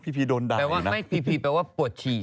พีพีโดนไดนะไม่ว่าพีพีแปลว่าปวดฉี่